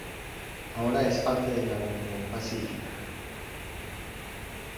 Ahora es parte de la Union Pacific.